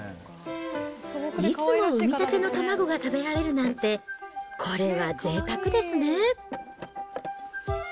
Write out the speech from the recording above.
いつも産みたての卵が食べられるなんて、これはぜいたくですね。